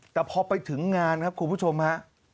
แต่พอไปถึงงานครับคุณผู้ชมฮะ